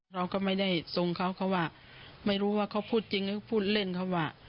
เราก็ไม่ได้ทรงเขาเขาว่าไม่รู้ว่าเขาพูดจริงหรือพูดเล่นเขาว่า